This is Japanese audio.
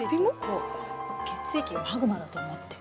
血液がマグマだと思って。